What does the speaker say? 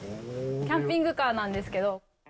キャンピングカーなんですけど。